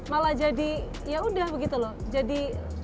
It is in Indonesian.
malah jadi ya udah begitu loh jadi